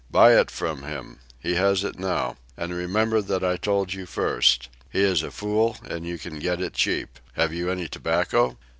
Buy it from him. He has it now. And remember that I told you first. He is a fool and you can get it cheap. Have you any tobacco?"